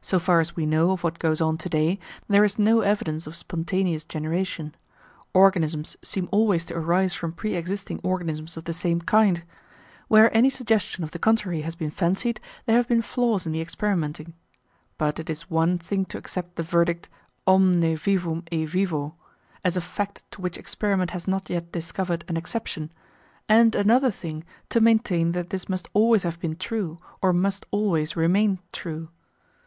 So far as we know of what goes on to day, there is no evidence of spontaneous generation; organisms seem always to arise from pre existing organisms of the same kind; where any suggestion of the contrary has been fancied, there have been flaws in the experimenting. But it is one thing to accept the verdict "omne vivum e vivo" as a fact to which experiment has not yet discovered an exception and another thing to maintain that this must always have been true or must always remain true.